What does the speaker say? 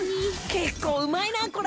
結構うまいなこれ。